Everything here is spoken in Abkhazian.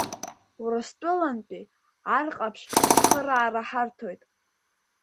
Урыстәылатәи Ар Ҟаԥшь ацхыраара ҳарҭоит.